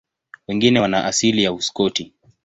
Wengi wana asili ya Uskoti.